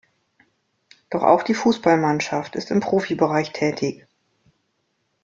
Doch auch die Fußballmannschaft ist im Profibereich tätig.